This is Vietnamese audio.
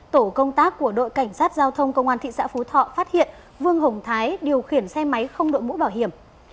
tổ công tác của đội cảnh sát giao thông công an thị xã phú thọ phát hiện vương hồng thái điều khiển xe máy không đội mũ bảo hiểm